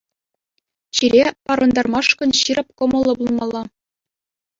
Чире парӑнтармашкӑн ҫирӗп кӑмӑллӑ пулмалла.